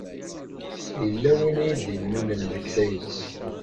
Yella win i yi-d-innulen deg tayet.